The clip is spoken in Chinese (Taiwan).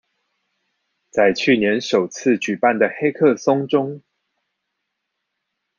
在去年首次舉辦的黑客松中